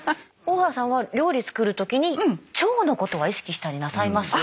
大原さんは料理作る時に腸のことは意識したりなさいます？